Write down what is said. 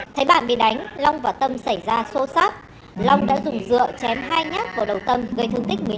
thấy bạn bị đánh long và tâm xảy ra xô xát long đã dùng dựa chém hai nhát vào đầu tâm gây thương tích một mươi chín